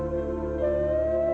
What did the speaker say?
aku terlalu berharga